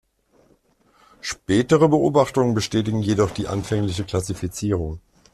Spätere Beobachtungen bestätigten jedoch die anfängliche Klassifizierung.